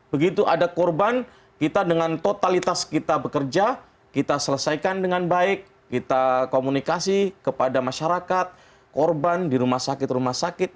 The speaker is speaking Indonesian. begitu ada korban kita dengan totalitas kita bekerja kita selesaikan dengan baik kita komunikasi kepada masyarakat korban di rumah sakit rumah sakit